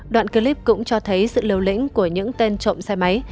đoạn clip cũng cho thấy sự liều lĩnh của những tên trộm xe máy